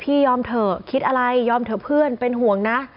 ยอมเถอะคิดอะไรยอมเถอะเพื่อนเป็นห่วงนะ